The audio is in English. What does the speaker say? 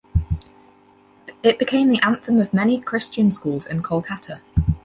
It became the anthem of many Christian schools in Kolkata.